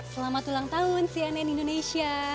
selamat ulang tahun cnn indonesia